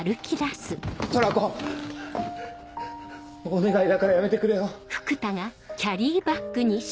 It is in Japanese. お願いだからやめてくれよ。